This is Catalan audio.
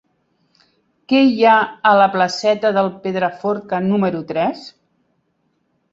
Què hi ha a la placeta del Pedraforca número tres?